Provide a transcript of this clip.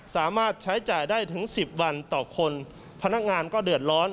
สามารถใช้จ่ายได้ถึงสิบวันต่อคนพนักงานก็เดือดร้อน